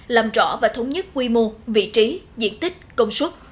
làm rõ và thống nhất quy mô vị trí diện tích công suất